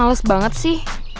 males banget sih